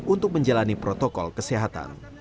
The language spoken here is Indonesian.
untuk menjalani protokol kesehatan